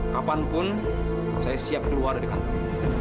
kapanpun saya siap keluar dari kantor